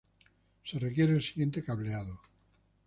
Se requiere el siguiente cableado.